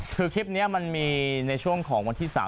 คือคลิปนี้มันมีในช่วงของวันที่๓